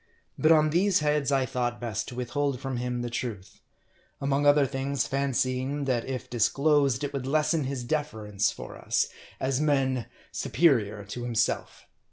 But on these heads I thought best to withhold from him the truth ; among other things, fancying that if disclosed, it would lessen his deference for us, as men superior to him self.